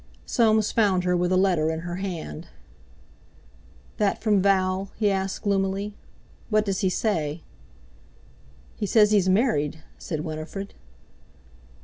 Soames found her with a letter in her hand. "That from Val," he asked gloomily. "What does he say?" "He says he's married," said Winifred.